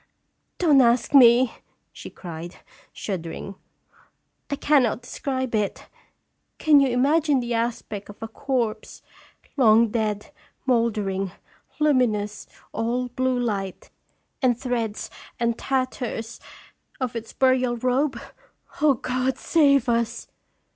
" Don't ask me!" she cried, shuddering. " I cannot describe it. Can you imagine the aspect of a corpse, long dead, mouldering, luminous, all blue light, and threads and tatters of its burial robe? O God, save us!"